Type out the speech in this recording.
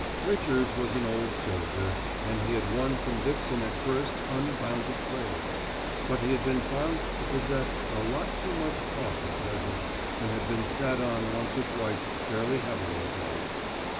Richards was an old soldier, and he had won from Dixon at first unbounded praise; but he had been found to possess a lot too much talk at present, and had been sat on once or twice fairly heavily of late.